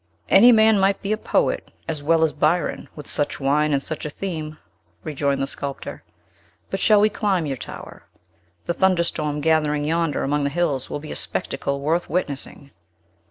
"Any man might be a poet, as well as Byron, with such wine and such a theme," rejoined the sculptor. "But shall we climb your tower The thunder storm gathering yonder among the hills will be a spectacle worth witnessing."